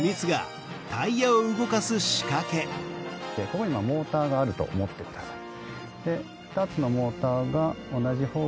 ここにモーターがあると思ってください。